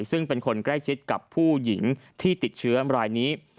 ซึ่งเป็นคนใกล้ชิดกับผู้หญิงที่ติดเชื้อรายนี้